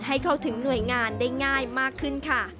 ให้เข้าถึงหน่วยงานได้ง่ายมากขึ้นค่ะ